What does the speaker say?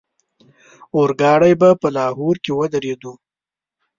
اورګاډی به په لاهور کې ودرېدو.